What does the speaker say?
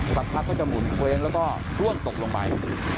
สักพักก็จะหมุนเว้งแล้วก็ร่วงตกลงไป